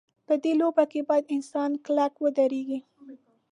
په دې لوبه کې باید انسان کلک ودرېږي.